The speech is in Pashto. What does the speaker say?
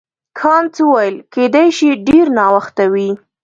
کانت وویل کیدای شي ډېر ناوخته وي.